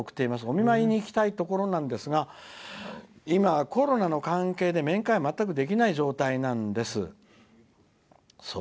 お見舞いに行きたいところなんですが今、コロナの関係で面会が全くできない状態なんです」。